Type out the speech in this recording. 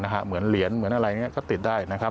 เหมือนเหรียญเหมือนอะไรก็ติดได้นะครับ